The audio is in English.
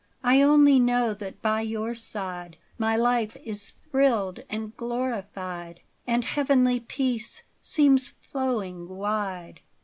I only know that by your side My life is thrilled and glorified, And heavenly peace seems flowing wide.